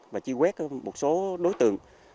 và chi quét một số đối tượng